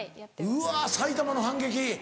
うわ埼玉の反撃。